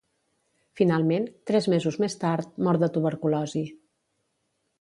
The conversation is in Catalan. Finalment, tres mesos més tard, mor de tuberculosi.